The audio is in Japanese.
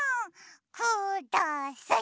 ください！